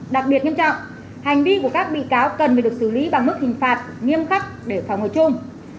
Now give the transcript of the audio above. đặc biệt nghiêm trọng hành vi của các bị cáo cần phải được xử lý bằng mức hình phạt nghiêm khắc để phòng ở chung